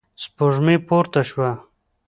سپوږمۍ پورته شوه.